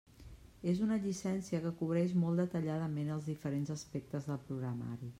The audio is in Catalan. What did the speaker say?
És una llicència que cobreix molt detalladament els diferents aspectes del programari.